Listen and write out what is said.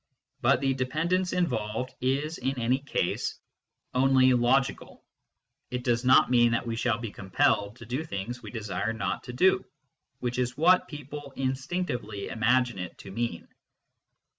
But the dependence involved is. in any case, onlv ON THE NOTION OF CAUSE 201 logical ; it does not mean that we shall be compelled to do things we desire not to do, which is what people in stinctively imagine it to mean.